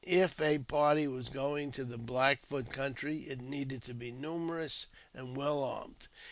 If a party was going to the Black Foot country, it needed to be numerous and well armed.